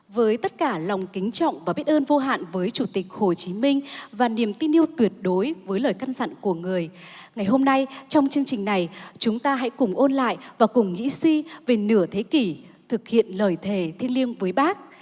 với tất cả lòng kính trọng và biết ơn vô hạn với chủ tịch hồ chí minh và niềm tin yêu tuyệt đối với lời căn dặn của người ngày hôm nay trong chương trình này chúng ta hãy cùng ôn lại và cùng nghĩ suy về nửa thế kỷ thực hiện lời thề thiêng liêng với bác